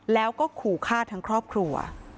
แล้วก็ขู่ฆ่าทั้งครอบครัว